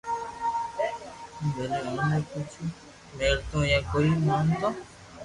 ڀلي اوني ڪجھ ميلتو يا ڪوئي ملتو